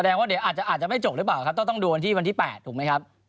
อ๋อแสดงว่าเดี๋ยวอาจจะไม่จบหรือเปล่าครับต้องดูวันที่๘ถูกไหมครับ